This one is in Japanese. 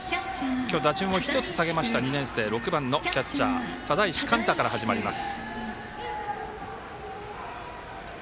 今日、打順を１つ下げました２年生、６番のキャッチャー只石貫太から始まります。